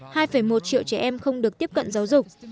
hai một triệu trẻ em không được tiếp cận giáo dục